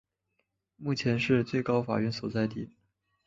目前是最高法院所在地。